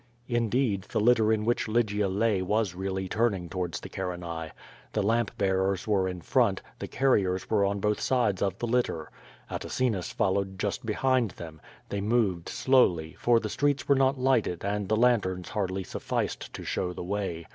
Indeed, the litter in which Lygia lay was really turning to wards the Carinae. The lamp bearers were in front; the car riers were on both sides of the litter. Atacinus followed just behind them. They moved slowly, for the streets were not lighted and the lanterns hardly sufficed to show the way.